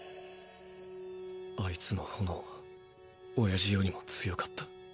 あいつの炎は親父よりも強かった。